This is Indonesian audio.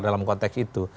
dalam konteks itu